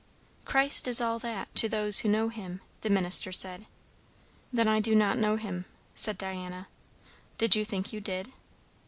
"Christ is all that, to those who know him," the minister said. "Then I do not know him," said Diana. "Did you think you did?"